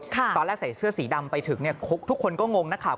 ตอนแรกใส่เสื้อสีดำไปถึงทุกคนก็งงนักข่าว